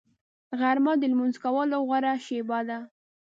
غرمه د لمونځ کولو غوره شېبه ده